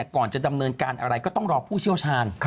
ก่อนจะดำเนินการอะไรก็ต้องรอผู้เชี่ยวชาญ